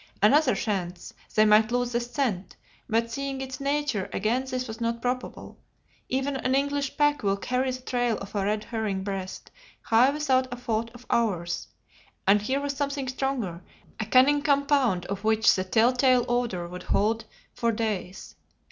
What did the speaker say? Another chance they might lose the scent, but seeing its nature, again this was not probable. Even an English pack will carry the trail of a red herring breast high without a fault for hours, and here was something stronger a cunning compound of which the tell tale odour would hold for days.